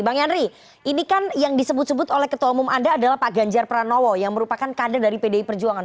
bang henry ini kan yang disebut sebut oleh ketua umum anda adalah pak ganjar pranowo yang merupakan kader dari pdi perjuangan